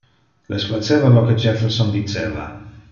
Les placeva lo que Jefferson diceva.